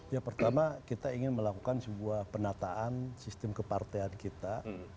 ya pertama kita ingin melakukan sebuah penataan sistem kepartean kita